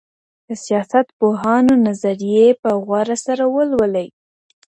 د سیاست پوهانو نظريې په غور سره ولولئ.